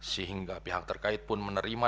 sehingga pihak terkait pun menerima